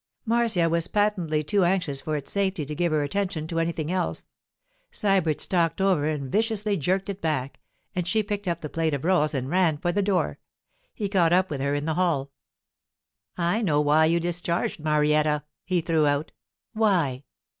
Marcia was patently too anxious for its safety to give her attention to anything else. Sybert stalked over and viciously jerked it back, and she picked up the plate of rolls and ran for the door. He caught up with her in the hall. 'I know why you discharged Marietta,' he threw out. 'Why?